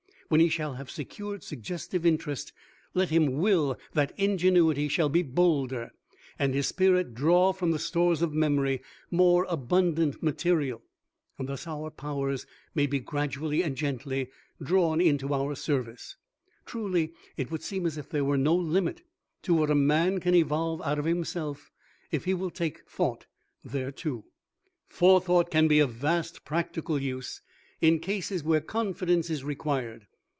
When he shall have secured suggestive Interest let him will that Ingenuity shall be bolder and his spirit draw from the stores of memory more abundant material. Thus our powers may be gradually and gently drawn into our service. Truly it would seem as if there were no limit to what a man can evolve out of himself if he will take Thought thereto. Forethought can be of vast practical use in cases where confidence is required.